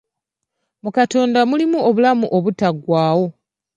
Mu Katonda mulimu obulamu obutaggwawo.